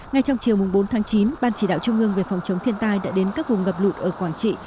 ngay trong chiều bốn tháng chín ban chỉ đạo trung ương về phòng chống thiên tai đã đến các vùng ngập lụt ở quảng trị